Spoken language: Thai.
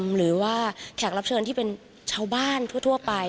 หรือว่าแขกรับเชิญที่เป็นชาวบ้านทั่วไป